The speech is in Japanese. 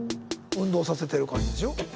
運動させてる感じでしょ。